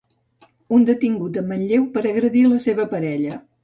Un detingut a Manlleu per agredir la seva parella.